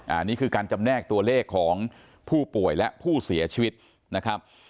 อันนี้คือการจำแนกตัวเลขของผู้ป่วยและผู้เสียชีวิตนะครับ